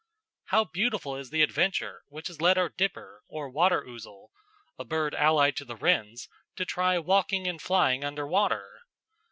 How beautiful is the adventure which has led our dipper or water ouzel a bird allied to the wrens to try walking and flying under water!